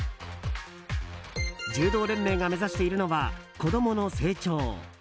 柔道連盟が目指しているのは子供の成長。